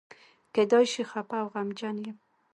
کېدای شي خپه او غمجن یم.